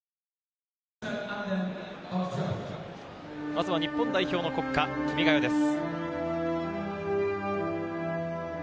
まずは日本代表の国歌『君が代』です。